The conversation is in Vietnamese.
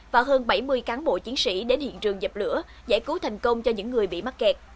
và hơn bảy mươi cán bộ chiến sĩ đến hiện trường dập lửa giải cứu thành công cho những người bị mắc kẹt